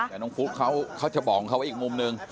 แต่น้องฟุ๊กเขาจะบอกของเขาอีกมุมหนึ่ง